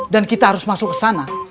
dan kita harus masuk ke sana